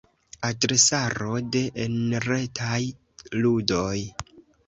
Adresaro de enretaj ludoj.